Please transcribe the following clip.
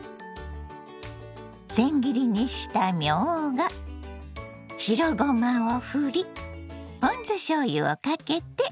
せん切りにしたみょうが白ごまをふりポン酢しょうゆをかけて出来上がりよ。